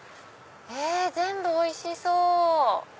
へぇ全部おいしそう！